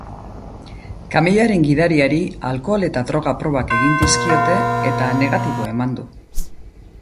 Kamioiaren gidariari alkohol eta droga probak egin dizkiote, eta negatibo eman du.